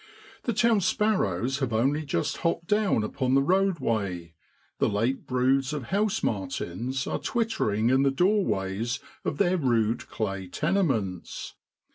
The town sparrows have only just hopped down upon the roadway, the late broods of house martins are twittering in the doorways of their rude clay tenements.